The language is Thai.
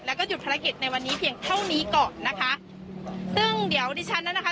แล้วก็หยุดภารกิจในวันนี้เพียงเท่านี้ก่อนนะคะซึ่งเดี๋ยวดิฉันนั้นนะคะ